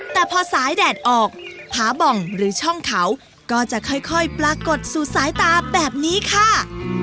แต่พอสายแดดออกผาบ่องหรือช่องเขาก็จะค่อยปรากฏสู่สายตาแบบนี้ค่ะ